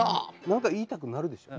何か言いたくなるでしょ？